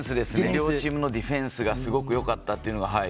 両チームのディフェンスがすごくよかったっていうのが。